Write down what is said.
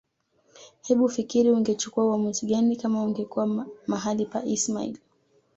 Hebufikiri ungechukua uamuzi gani kama ungekuwa mahala pa ismail